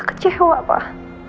bikin elsa kecewa pak